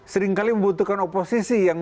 seringkali membutuhkan oposisi yang